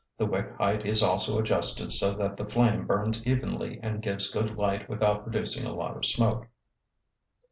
The wick height is also adjusted so that the flame burns evenly and gives good light without producing a lot of smoke.